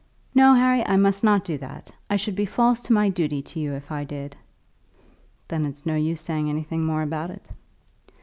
"No, Harry; I must not do that. I should be false to my duty to you if I did." "Then it's no use saying anything more about it."